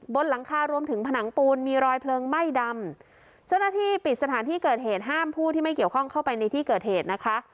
บนหลังคารวมถึงผนังปูนมีรอยเพลิงไหม้ดำเจ้าหน้าที่ปิดสถานที่เกิดเหตุห้ามผู้ที่ไม่เกี่ยวข้องเข้าไปในที่เกิดเหตุนะคะ